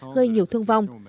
gây nhiều thương vong